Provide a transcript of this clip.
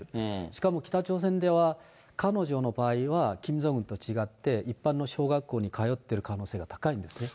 しかも北朝鮮では、彼女の場合は、キム・ジョンウンと違って、一般の小学校に通っている可能性が高いんですね。